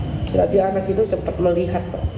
jadi anak itu sempat melihat